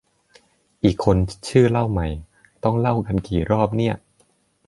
อีกคนชื่อเล่าใหม่ ต้องเล่ากันกี่รอบเนี่ย